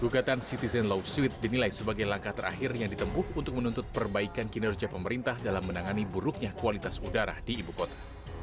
gugatan citizen law suite dinilai sebagai langkah terakhir yang ditempuh untuk menuntut perbaikan kinerja pemerintah dalam menangani buruknya kualitas udara di ibu kota